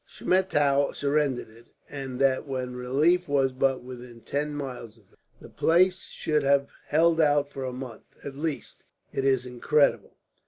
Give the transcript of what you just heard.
Schmettau surrendered it, and that when relief was but within ten miles of him. The place should have held out for a month, at least. It is incredible.